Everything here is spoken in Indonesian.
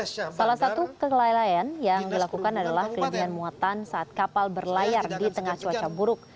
salah satu kelalaian yang dilakukan adalah kelebihan muatan saat kapal berlayar di tengah cuaca buruk